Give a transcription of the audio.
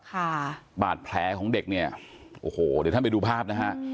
ค่ะบาดแผลของเด็กเนี่ยโอ้โหเดี๋ยวท่านไปดูภาพนะฮะ